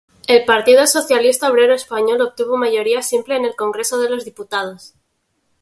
El Partido Socialista Obrero Español obtuvo mayoría simple en el Congreso de los Diputados.